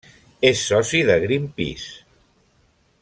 És soci de Greenpeace.